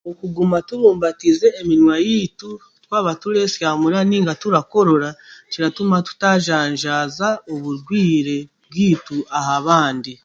Okuguma tubumbatiize eminwa yaitu, twaba tureesyamura nainga turakorora kiratuma tutajanjaaja oburwaire bwaitu aha bandi.